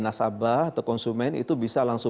nasabah atau konsumen itu bisa langsung